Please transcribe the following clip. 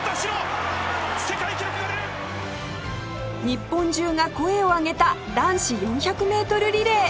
日本中が声を上げた男子４００メートルリレー